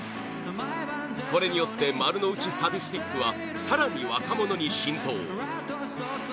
これによって「丸ノ内サディスティック」は更に若者に浸透